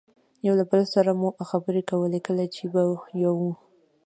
یو له بل سره مو خبرې کولې، کله چې به یوه.